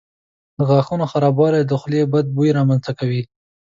د غاښونو خرابوالی د خولې بد بوی رامنځته کوي.